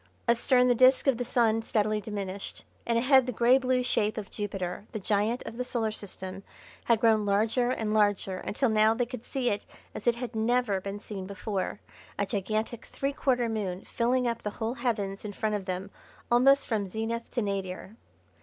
Astern the disc of the Sun steadily diminished and ahead the grey blue shape of Jupiter, the Giant of the Solar System, had grown larger and larger until now they could see it as it had never been seen before a gigantic three quarter moon filling up the whole heavens in front of them almost from zenith to nadir.